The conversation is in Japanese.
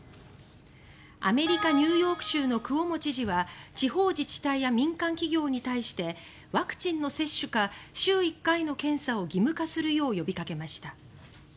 アメリカ・ニューヨーク州のクオモ知事は地方自治体や民間企業に対してワクチンの接種か週１回の検査を義務化するよう呼びかけました。